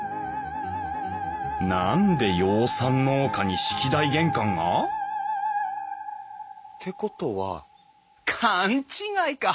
何で養蚕農家に式台玄関が！？ってことは勘違いか。